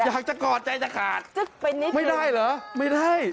อยากจะกอดใจจะขาดจึ๊กไปนิดไม่ได้เหรอไม่ได้